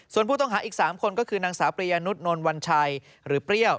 ส่วนผู้ต้องหาอีก๓คนก็คือนางสาวปริยนุษย์นนวัญชัยหรือเปรี้ยว